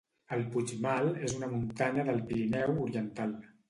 El Puigmal es una muntanya del Pirineu oriental.